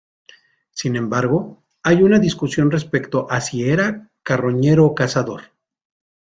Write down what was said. Sin embargo, hay una discusión respecto a si era carroñero o cazador.